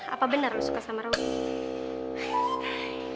apa bener lo suka sama robi